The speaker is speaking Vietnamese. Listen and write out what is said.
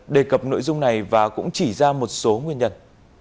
đề cập nội dung này và cũng chỉ ra một số nguyên nhân